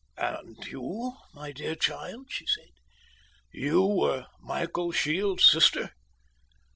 "And you, my dear child," she said, "you were Michael Shields' sister?"